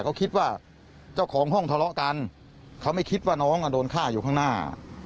เขาคิดว่าเจ้าของห้องทะเลาะกันเขาไม่คิดว่าน้องโดนฆ่าอยู่ข้างหน้า